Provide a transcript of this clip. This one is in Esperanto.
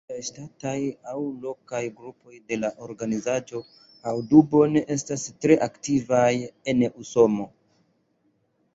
Multaj ŝtataj aŭ lokaj grupoj de la organizaĵo Audubon estas tre aktivaj en Usono.